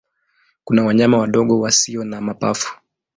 Kuna wanyama wadogo wasio na mapafu.